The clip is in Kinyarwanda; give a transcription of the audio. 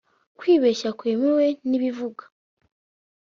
ukwibeshya kwemewe ni Bivuga